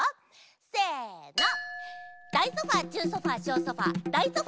せの。